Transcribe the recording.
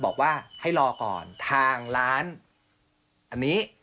บอกว่าให้รอก่อนทางร้านอันนี้